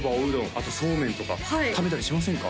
あとそうめんとか食べたりしませんか？